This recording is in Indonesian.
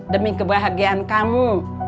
demi kebahagiaan kamu